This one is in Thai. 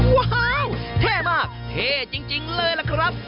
ว้าวเท่มากเท่จริงเลยล่ะครับ